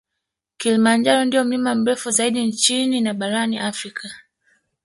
Kilimanjaro ndio mlima mrefu zaidi nchini na barani Afrika